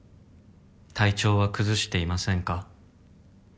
体調は崩していませんか？」